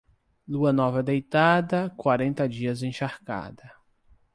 Lua nova deitada, quarenta dias encharcada.